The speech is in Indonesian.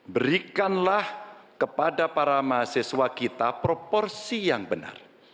berikanlah kepada para mahasiswa kita proporsi yang benar